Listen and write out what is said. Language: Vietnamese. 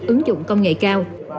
ứng dụng công nghệ cao